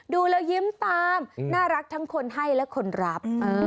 ดูแล้วยิ้มตามน่ารักทั้งคนให้และคนรับ